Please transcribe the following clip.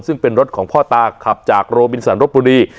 ซึ่งเป็นรถของพ่อตาขับจากโรบินสันรบบุรี